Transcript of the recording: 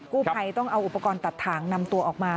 กู้ภัยต้องเอาอุปกรณ์ตัดถ่างนำตัวออกมา